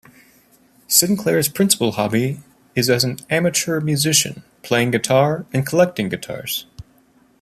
Sinclair's principal hobby is as an amateur musician playing guitar and collecting guitars.